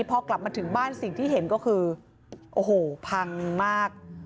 พอกลับมาถึงบ้านสิ่งที่เห็นก็คือโอ้โหพังมาก